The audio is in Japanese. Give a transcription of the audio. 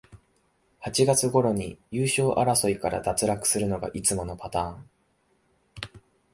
八月ごろに優勝争いから脱落するのがいつものパターン